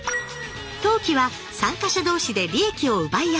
投機は参加者同士で利益を奪い合う。